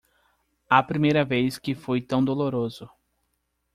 A primeira vez que fui tão doloroso